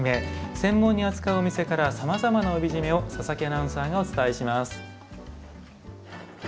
専門に扱うお店からさまざまな帯締めを佐々木アナウンサーがお伝えします。